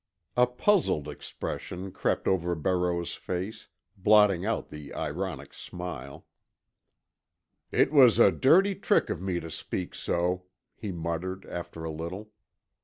A puzzled expression crept over Barreau's face, blotting out the ironic smile. "It was a dirty trick of me to speak so," he muttered, after a little.